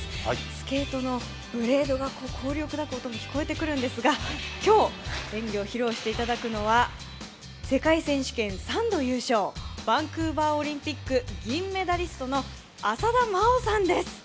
スケートのブレードの音が聞こえてくるんですが今日、演技を披露していただくのは世界選手権３度優勝、バンクーバーオリンピック銀メダリストの浅田真央さんです。